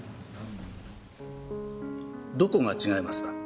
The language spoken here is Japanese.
どこが違いますか？